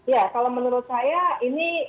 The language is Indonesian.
ya kalau menurut saya ini